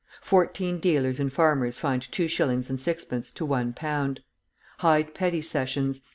Fourteen dealers and farmers fined two shillings and sixpence to one pound. Hyde Petty Sessions.